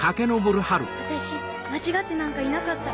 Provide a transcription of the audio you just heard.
私間違ってなんかいなかった